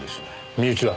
身内は？